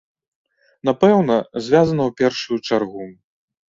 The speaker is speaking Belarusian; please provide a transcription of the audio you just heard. Напэўна, звязана ў першую чаргу.